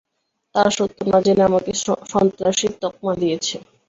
তারা সত্য না জেনেই আমাকে সন্ত্রাসীর তকমা দিয়েছে।